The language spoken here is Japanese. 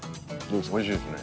おいしいですね。